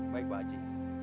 baik pak haji